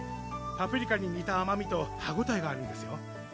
パプリカににたあまみと歯ごたえがあるんですよ